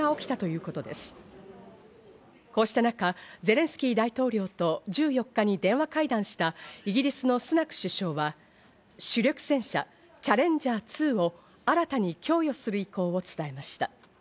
こうした中、ゼレンスキー大統領と１４日に電話会談したイギリスのスナク首相は主力戦車「チャレンジャー２」を新たに供与する意向を伝えました。